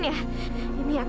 ini aku bawain sweater buat kamu